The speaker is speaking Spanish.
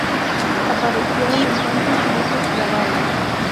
Aparecieron entonces muchos grabados.